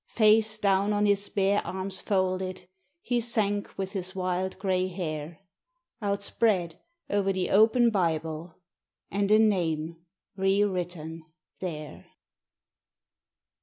Face down on his bare arms folded he sank with his wild grey hair Outspread o'er the open Bible and a name re written there.